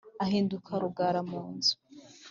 Ahinduka rugara mu nzu